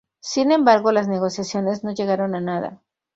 Sin embargo las negociaciones no llegaron a nada.